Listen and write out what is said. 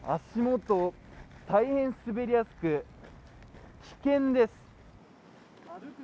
足元、大変滑りやすく危険です。